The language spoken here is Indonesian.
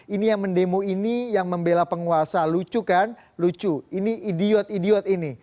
ini yang mendemo ini yang membela penguasa lucu kan lucu ini idiot idiot ini